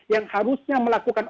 yang harusnya melakukan